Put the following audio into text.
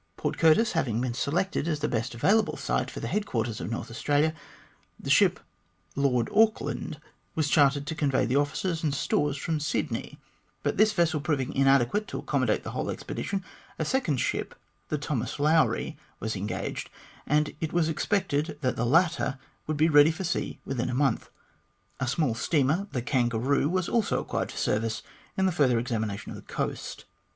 Port Curtis having been selected as the best available site for the headquarters of North Australia, the ship Lord Auckland was chartered to convey the officers and stores from Sydney, but this vessel proving inadequate to accommodate the whole expedition, a second ship, the Thomas Loivry, was engaged, and it was expected that the latter would be ready for sea within a month. A small steamer, the Kangaroo, was also acquired for service in the further examination of the coast.